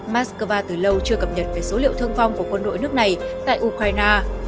mắc cơ va từ lâu chưa cập nhật về số liệu thương vong của quân đội nước này tại ukraine